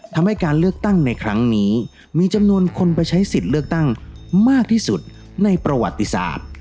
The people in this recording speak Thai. ทำให้การเลือกตั้งในครั้งนี้มีจำนวนคนไปใช้สิทธิ์เลือกตั้งมากที่สุดในประวัติศาสตร์